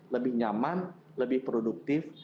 lebih nyaman lebih produktif